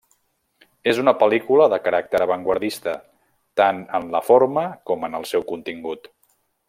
És una pel·lícula de caràcter avantguardista, tant en la forma com en el seu contingut.